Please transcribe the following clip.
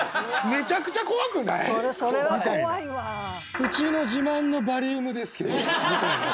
「うちの自慢のバリウムですけど」みたいな。